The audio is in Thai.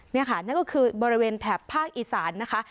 นี่ค่ะนั่นก็คือบริเวณแถบภาคอีสานนะคะ